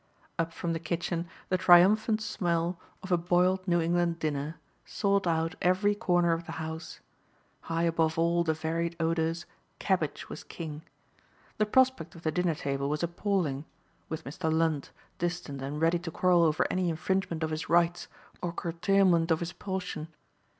Up from the kitchen the triumphant smell of a "boiled New England dinner" sought out every corner of the house. High above all the varied odors, cabbage was king. The prospect of the dinner table was appalling, with Mr. Lund, distant and ready to quarrel over any infringement of his rights or curtailment of his portion.